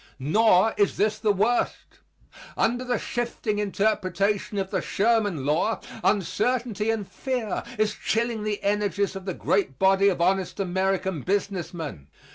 Nor is this the worst. Under the shifting interpretation of the Sherman law, uncertainty and fear is chilling the energies of the great body of honest American business men.